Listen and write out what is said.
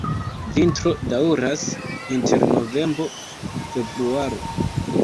Vintro daŭras inter novembro-februaro.